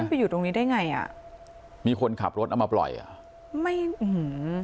ไปอยู่ตรงนี้ได้ไงอ่ะมีคนขับรถเอามาปล่อยอ่ะไม่อื้อหือ